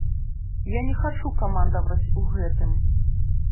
Я не хачу камандаваць у гэтым.